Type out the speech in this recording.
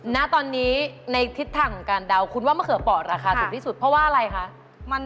ณตอนนี้ในทิศทางของการเดาคุณว่ามะเขือปอดราคาถูกที่สุดเพราะว่าอะไรคะ